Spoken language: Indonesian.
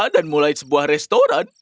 aku akan memulai sebuah restoran